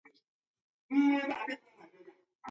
Wodazerwa wolemwa nikumeria shughulia wodelila.